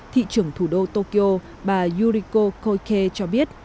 thị trưởng thủ đô tokyo bà yuriko koike cho biết